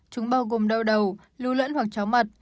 chúng bao gồm đau đầu lưu lẫn hoặc chóng mặt